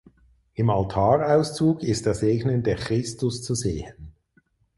Im Altarauszug ist der segnende Christus zu sehen.